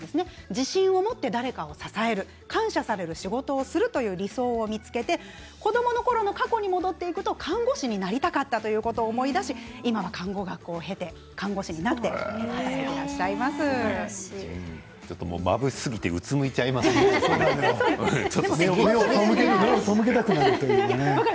自信を持って誰かを支える感謝される仕事をするという理想を見つけて子どものころの過去に戻っていくと看護師になりたかったということを思い出し今は看護学校を経てまぶしすぎて目を背けたくなるというか。